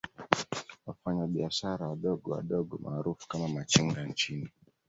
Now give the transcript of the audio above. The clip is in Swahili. Wafanya biashara wadogo wadogo maarufu kama Machinga nchini